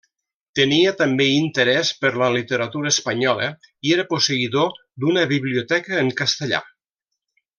Tenia també interès per la literatura espanyola, i era posseïdor d'una biblioteca en castellà.